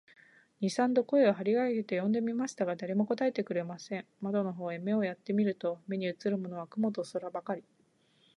二三度声を張り上げて呼んでみましたが、誰も答えてくれません。窓の方へ目をやって見ると、目にうつるものは雲と空ばかり、